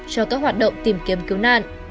cho các hoạt động tìm kiếm cứu nạn